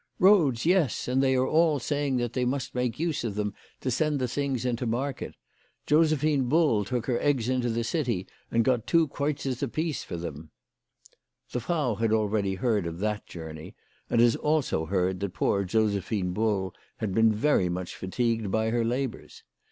" Eoads, yes ! and they are all saying that they must make use of them to send the things into market. Josephine Bull took her eggs into the city and got two kreutzers apiece for them." The Frau had already heard of that journey, and had also heard that poor Josephine Bull had been very much fatigued by her labours.